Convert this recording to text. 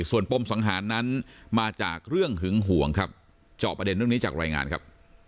ส่วนปมสังหารนั้นมาจากเรื่องหึงห่วงครับจอบประเด็นเรื่องนี้จากรายงานครับ